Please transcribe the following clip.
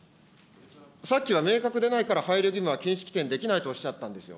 さっきは明確でないから配慮義務は禁止規定にできないとおっしゃったんですよ。